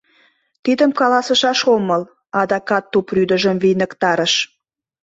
Тидым каласышаш омыл, — адакат тупрӱдыжым вийныктарыш.